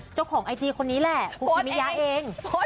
เจ้าของไอจีคนนี้แหละคุณกิมิยะเอง